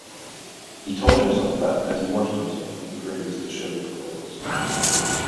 He told himself that as he washed himself and groomed his disheveled clothes.